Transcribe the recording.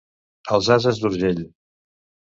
Els ases d'Urgell.